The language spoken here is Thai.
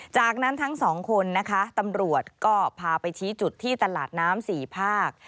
จากนั้นทั้งสองคนนะคะตำรวจก็พาไปชี้จุดที่ตลาดน้ำ๔ภาค